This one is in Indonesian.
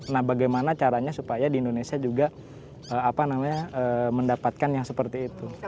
nah bagaimana caranya supaya di indonesia juga mendapatkan yang seperti itu